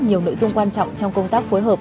nhiều nội dung quan trọng trong công tác phối hợp